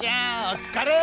お疲れ！